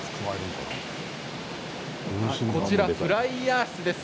こちら、フライヤースペース。